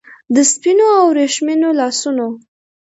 د سپینو او وریښمینو لاسونو